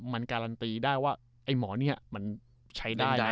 มันการันตรีได้ว่าไอ้หมอนี่อ่ะ